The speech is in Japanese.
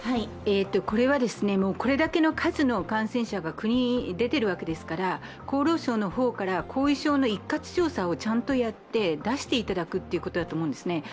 これだけの数の感染者が国で出ているわけですから厚労省の方から後遺症の一括調査をちゃんとやって出していただくということだと思うんですね。